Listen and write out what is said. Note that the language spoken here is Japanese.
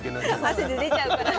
汗で出ちゃうからね。